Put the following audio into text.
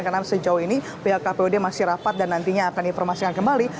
karena sejauh ini pihak kpud masih rapat dan nantinya akan dipermasakan kembali